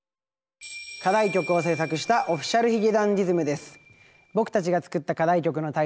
課題曲を制作したＯｆｆｉｃｉａｌ髭男ｄｉｓｍです。